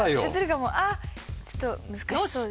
あっちょっと難しそうですね。